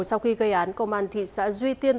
sau khi gây án công an thị xã duy tiên